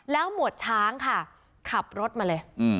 หมวดช้างค่ะขับรถมาเลย